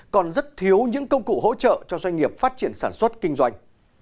còn rất thiếu những công cụ hỗ trợ cho doanh nghiệp phát triển sản xuất kinh doanh